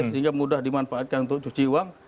sehingga mudah dimanfaatkan untuk cuci uang